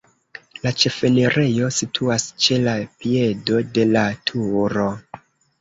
La ĉefenirejo situas ĉe la piedo de la turo.